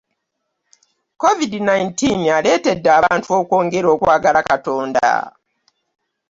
Covid nineteen aleetedde abantu okwongera okwagala Katonda.